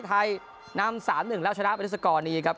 ไทยนำ๓๑แล้วชนะบริษกรนี้ครับ